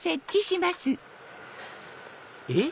えっ？